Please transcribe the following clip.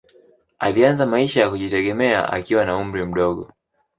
Alianza maisha ya kujitegemea akiwa na umri mdogo.